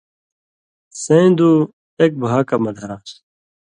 سَیں دُو اک بھا کہ مہ دھران٘س۔